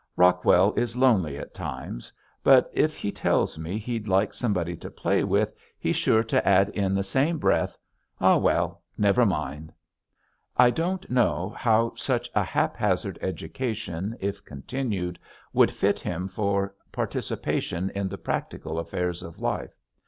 Rockwell is lonely at times; but if he tells me he'd like somebody to play with he's sure to add in the same breath, "Ah well, never mind." I don't know how such a haphazard education if continued would fit him for participation in the "practical" affairs of life.